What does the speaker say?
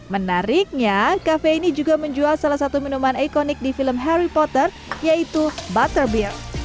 menariknya kafe ini juga menjual salah satu minuman ikonik di film harry potter yaitu butterbeer